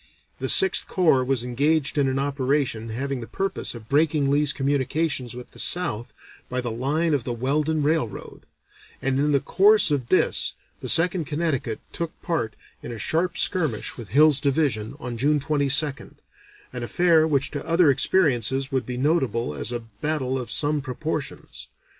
The Sixth Corps was engaged in an operation having the purpose of breaking Lee's communications with the South by the line of the Weldon Railroad, and in the course of this the Second Connecticut took part in a "sharp skirmish" with Hill's Division, on June 22nd, an affair which to other experiences would be notable as a battle of some proportions.